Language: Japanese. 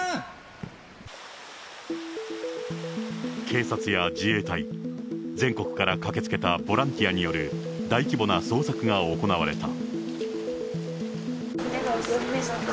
警察や自衛隊、全国から駆けつけたボランティアによる大規模な捜索が行われた。